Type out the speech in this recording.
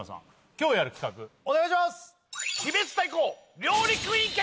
きょうやる企画お願いします！